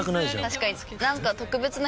確かに。